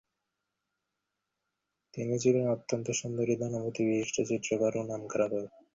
তিনি ছিলেন অত্যন্ত সুন্দরী, ধনবতী, বিশিষ্ট চিত্রকর ও নামকরা কবি।